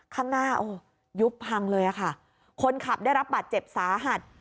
ข้างหน้าโอ้ยุบพังเลยอ่ะค่ะคนขับได้รับบาดเจ็บสาหัส